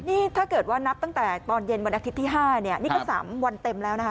นี่ถ้าเกิดว่านับตั้งแต่ตอนเย็นวันอาทิตย์ที่๕เนี่ยนี่ก็๓วันเต็มแล้วนะคะ